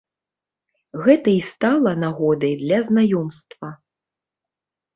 Гэта і стала нагодай для знаёмства.